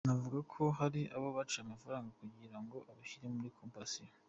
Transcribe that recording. Banavuga ko hari abo yaciye amafaranga kugira ngo abashyire muri Compassion.